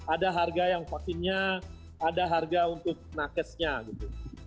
ada harga yang vaksinnya ada harga untuk nakesnya gitu